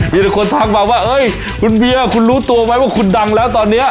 เหรอมีคนทั้งงำมาวะเอ้ยคุณเบียคุณรู้ตัวไหมว่าคุณดังแล้วตอนนี้